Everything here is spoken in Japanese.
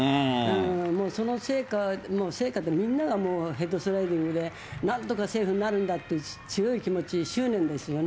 もうその成果、成果で、みんながヘッドスライディングで、なんとかセーフになるんだっていう強い気持ち、執念ですよね。